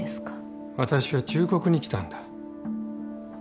私は忠告に来たんだ。